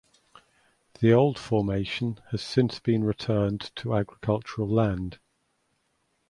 The old formation has since been returned to agricultural land.